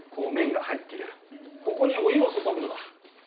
ここにお湯を注ぐとだ